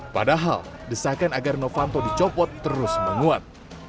padahal desakan agar novanto dicopot terus menguat